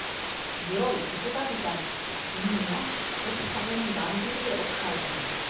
Герой, депутат итәм! һин миңә ҡыҙ сағыңдан бирле оҡшайһың!